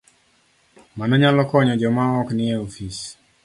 Mano nyalo konyo joma ok nie ofis